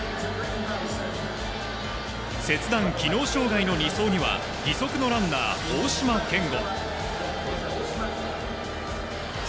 切断・機能障がいの２走には、義足のランナー、大島健吾。